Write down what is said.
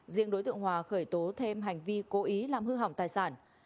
riêng đối tượng hòa khởi tố thêm hành vi cố ý làm hư hỏng tài sản